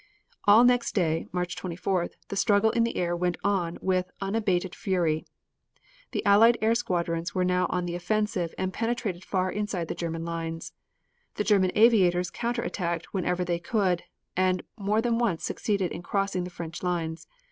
All next day, March 24th, the struggle in the air went on with unabated fury. The Allied air squadrons were now on the offensive and penetrated far inside the German lines. The German aviators counter attacked whenever they could, and more than once succeeded in crossing the French lines.